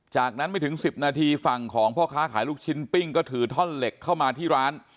จากนั้นไม่ถึง๑๐นาทีฝั่งของพ่อค้าขายลูกชิ้นปิ้งก็ถือท่อนเหล็กเข้ามาที่ร้าน